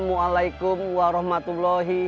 gak apa apa aku gak masalah